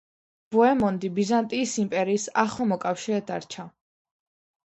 ბოემონდი ბიზანტიის იმპერიის ახლო მოკავშირედ დარჩა.